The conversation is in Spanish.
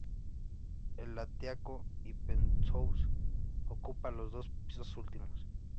El ático o "penthouse" ocupa los dos pisos últimos.